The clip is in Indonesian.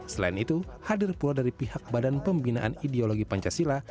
selain itu hadir pula dari pihak badan pembinaan ideologi pancasila